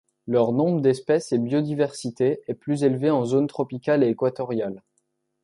Leur nombre d'espèce et biodiversité est plus élevée en zone tropicale et équatoriale.